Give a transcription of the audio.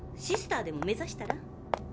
シスターでも目ざしたら？